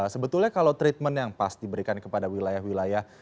sebetulnya kalau treatment yang pas diberikan kepada wilayah wilayah